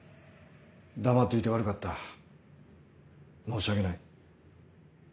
黙っていて悪かった申し訳ない。